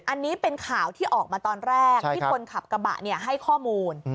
อันนี้เป็นข่าวที่ออกมาตอนแรกที่คนขับกระบะให้ข้อมูล